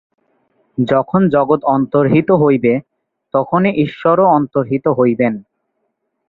যখন জগৎ অন্তর্হিত হইবে, তখনই ঈশ্বরও অন্তর্হিত হইবেন।